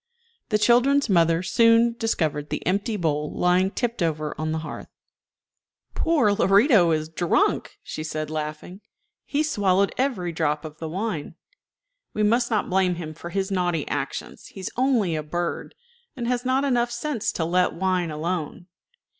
The children's mother soon discovered the empty bowl lying tipped over on the hearth. "Poor Lorito is drunk," she said, laughing; "he has swallowed every drop of the wine. We must not blame him for his naughty actions. He is only a bird, and has not enough sense to let wine alone."